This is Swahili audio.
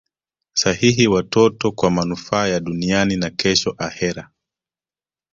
sahihi watoto kwa manufaa ya duniani na kesho akhera